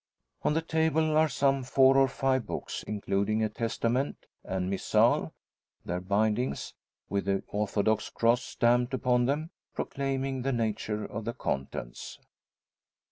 On the table are some four or five books, including a Testament and Missal; their bindings, with the orthodox cross stamped upon them, proclaiming the nature of the contents.